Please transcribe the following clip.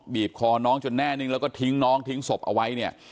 บีบคอน้องจนแน่นิ่งแล้วก็ทิ้งน้องทิ้งศพเอาไว้เนี่ย